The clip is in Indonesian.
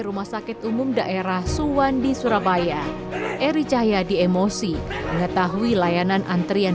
rumah sakit umum daerah suwandi surabaya eri cahyadi emosi mengetahui layanan antrian